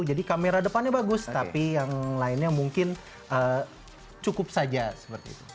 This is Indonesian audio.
jadi kamera depannya bagus tapi yang lainnya mungkin cukup saja seperti itu